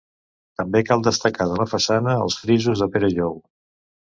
També cal destacar de la façana els frisos de Pere Jou.